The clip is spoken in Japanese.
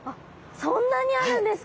そんなにあるんですか！？